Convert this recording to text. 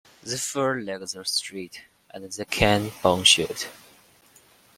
The forelegs are straight and the cannon bone short.